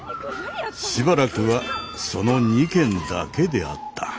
しばらくはその２件だけであった。